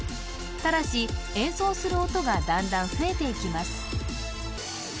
ただし演奏する音が段々増えていきます